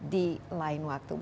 di lain waktu